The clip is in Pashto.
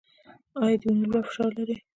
ایا د وینې لوړ فشار لرئ؟